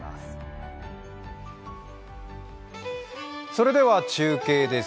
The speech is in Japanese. それでは中継です。